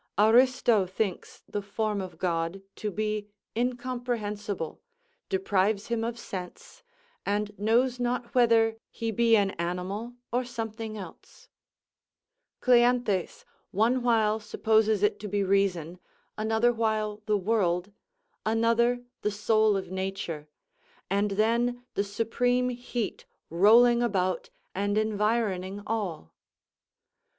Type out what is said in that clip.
Aristo thinks the form of God to be incomprehensible, deprives him of sense, and knows not whether he be an animal or something else; Cleanthes, one while supposes it to be reason, another while the world, another the soul of nature, and then the supreme heat rolling about, and environing all.